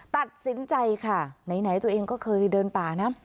ตัดสินใจค่ะไหนตัวเองก็เคยเดินป่านะ